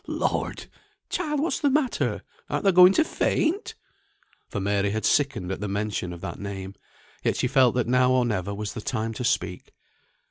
Lord! child, what's the matter? Art thou going to faint?" For Mary had sickened at the mention of that name; yet she felt that now or never was the time to speak.